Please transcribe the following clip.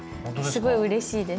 すごいうれしいです。